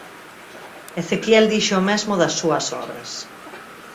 Ezequiel dixo o mesmo das súas obras.